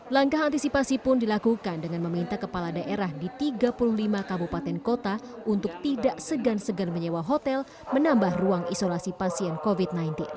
langkah antisipasi pun dilakukan dengan meminta kepala daerah di tiga puluh lima kabupaten kota untuk tidak segan segan menyewa hotel menambah ruang isolasi pasien covid sembilan belas